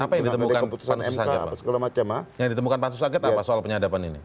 apa yang ditemukan pansus angket apa soal penyadapan ini